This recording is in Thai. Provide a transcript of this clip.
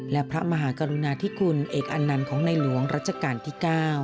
และพระมหากรุณาธิคุณเอกอันนันต์ของในหลวงรัชกาลที่๙